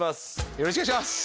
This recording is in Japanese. よろしくお願いします。